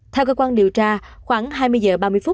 theo cơ quan điều tra khoảng hai mươi h ba mươi phút